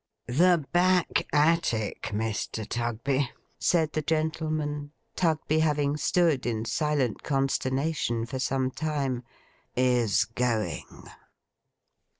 'The back attic, Mr. Tugby,' said the gentleman: Tugby having stood in silent consternation for some time: 'is Going.